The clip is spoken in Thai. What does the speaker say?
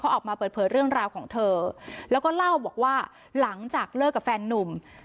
ออกมาเปิดเผยเรื่องราวของเธอแล้วก็เล่าบอกว่าหลังจากเลิกกับแฟนนุ่ม